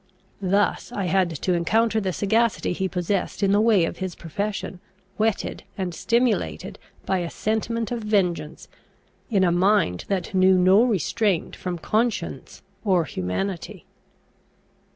Thus I had to encounter the sagacity he possessed in the way of his profession, whetted and stimulated by a sentiment of vengeance, in a mind that knew no restraint from conscience or humanity.